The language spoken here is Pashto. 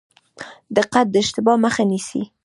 دقت د اشتباه مخه نیسي